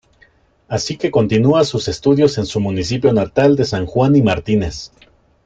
Así que continúa sus estudios en su municipio natal de San Juan y Martínez.